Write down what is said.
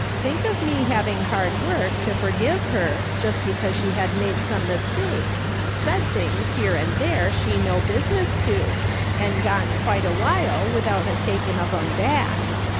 Think of me having hard work to forgive her, just because she had made some mistakes, said things here and there she no business to, and gone quite a while without takin' of 'em back